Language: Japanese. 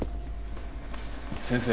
先生。